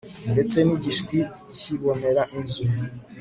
ndetse n'igishwi cyibonera inzu,